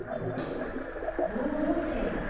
脳のせいなの。